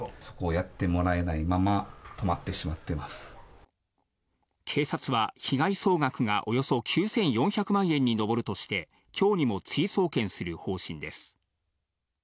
やってもらえないまま、警察は、被害総額がおよそ９４００万円に上るとして、きょうにも追送検する方針です。